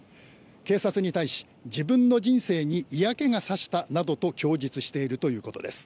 警察に対し、自分の人生に嫌気が差したなどと供述しているということです。